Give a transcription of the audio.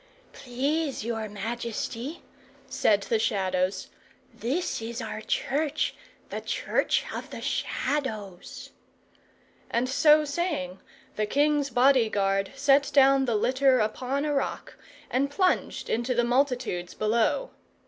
"Please your majesty," said the Shadows, "this is our church the Church of the Shadows." And so saying, the king's body guard set down the litter upon a rock, and plunged into the multitudes below.